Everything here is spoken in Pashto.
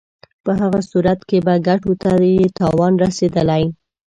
په هغه صورت کې به ګټو ته یې تاوان رسېدلی.